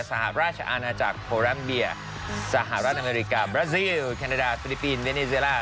สหราชอาณาจักรโพแรมเบียสหรัฐอเมริกาบรัสซิลแคนาดาฟิลิปปินส์เดนิสเซล่า